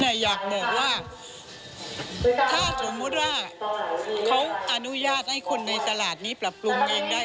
อยากบอกว่าถ้าสมมุติว่าเขาอนุญาตให้คนในตลาดนี้ปรับปรุงเองได้